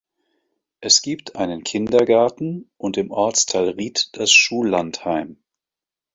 Es gibt einen Kindergarten und im Ortsteil Ried das Schullandheim.